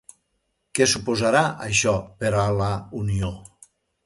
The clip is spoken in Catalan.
Què suposarà això per a la Unió?